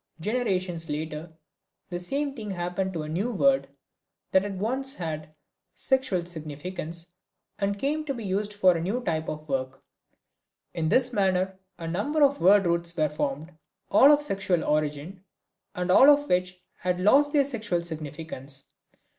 Generations later the same thing happened to a new word that once had sexual significance and came to be used for a new type of work. In this manner a number of word roots were formed, all of sexual origin, and all of which had lost their sexual significance.